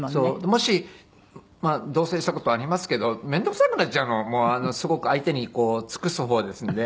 もし同棲した事ありますけど面倒くさくなっちゃうのすごく相手に尽くす方ですので。